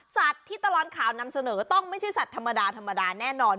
ที่ตลอดข่าวนำเสนอต้องไม่ใช่สัตว์ธรรมดาธรรมดาแน่นอน